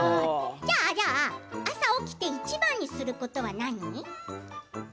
朝起きていちばんにすることは何？